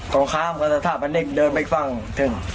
ตรงข้ามกับสถาปนิกเดินไปฟังถึง